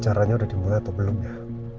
acaranya udah dimulai atau belum ya